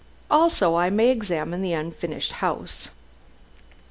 Also I may examine the unfinished house.